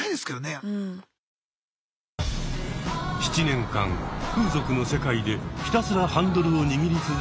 ７年間風俗の世界でひたすらハンドルを握り続けてきたアキラさん。